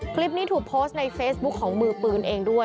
คลิปนี้ถูกโพสต์ในเฟซบุ๊คของมือปืนเองด้วย